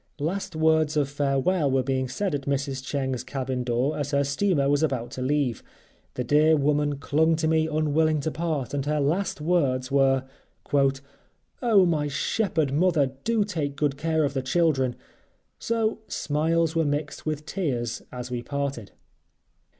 Last words of farewell were being said at Mrs. Cheng's cabin door, as her steamer was about to leave. The dear woman clung to me unwilling to part and her last words were: "Oh, my Shepherd Mother, do take good care of the children!" So smiles were mixed with tears as we parted.